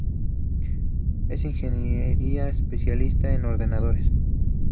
Es ingeniera, especialista en ordenadores.